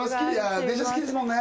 電車好きですもんね